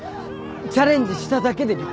チャレンジしただけで立派。